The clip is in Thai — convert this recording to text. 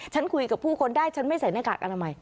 ฉันคุยกับผู้คนได้ฉันไม่ใส่หน้ากากอนามัย